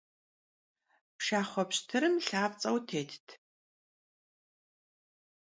Pşşaxhue pşıtırım lhapts'eu têtt.